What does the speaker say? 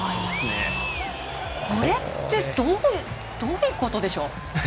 これってどういうことでしょう。